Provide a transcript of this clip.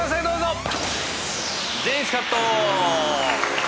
どうぞ。